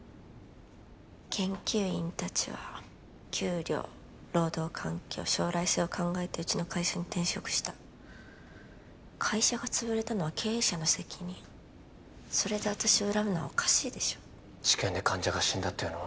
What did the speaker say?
研究員達は給料労働環境将来性を考えてうちの会社に転職した会社が潰れたのは経営者の責任それで私を恨むのはおかしいでしょ治験で患者が死んだっていうのは？